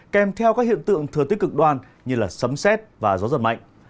kèm theo các hiện tượng thừa tích cực đoan như sấm xét và gió giật mạnh